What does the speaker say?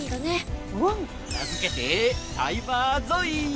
名付けてサイバーゾイ！